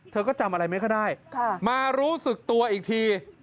เธอก็จำอะไรไม่ค่อยได้มารู้สึกตัวอีกที